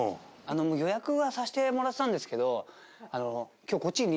予約はさしてもらってたんですけど。